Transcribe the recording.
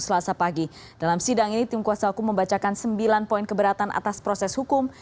selasa pagi dalam sidang ini tim kuasa hukum membacakan sembilan poin keberatan atas proses hukum